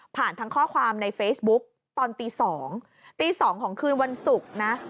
ทั้งข้อความในเฟซบุ๊กตอนตี๒ตี๒ของคืนวันศุกร์นะ